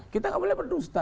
kita gak boleh berdusta